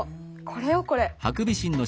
これよこれ。